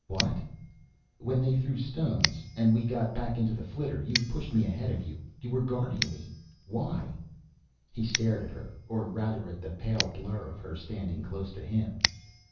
"What?" "When they threw the stones, and we got back into the flitter, you pushed me ahead of you. You were guarding me. Why?" He stared at her, or rather at the pale blur of her standing close to him.